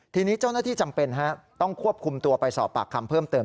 ทีนี้เจ้าหน้าที่จำเป็นต้องควบคุมตัวไปสอบปากคำเพิ่มเติม